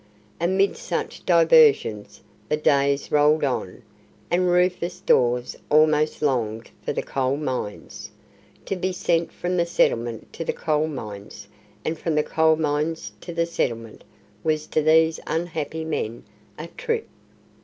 Amid such diversions the days rolled on, and Rufus Dawes almost longed for the Coal Mines. To be sent from the settlement to the Coal Mines, and from the Coal Mines to the settlement, was to these unhappy men a "trip".